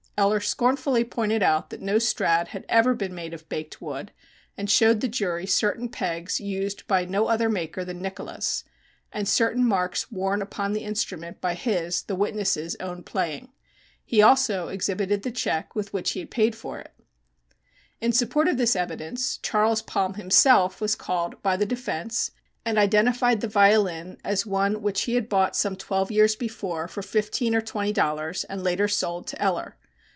Eller scornfully pointed out that no Strad. had ever been made of baked wood, and showed the jury certain pegs used by no other maker than Nicholas, and certain marks worn upon the instrument by his, the witness', own playing. He also exhibited the check with which he had paid for it. In support of this evidence Charles Palm himself was called by the defense and identified the violin as one which he had bought some twelve years before for fifteen or twenty dollars and later sold to Eller.